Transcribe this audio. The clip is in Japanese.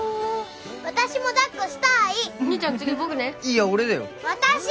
私もだっこしたい兄ちゃん次僕ねいや俺だよ私！